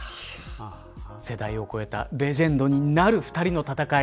世代を超えたレジェンドになる２人の戦い。